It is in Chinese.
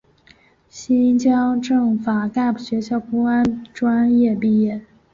新疆政法干部学校公安专业毕业。